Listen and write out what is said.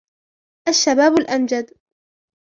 الشباب الأمجدُ